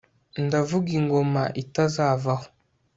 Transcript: ndavuga ingoma itazavaho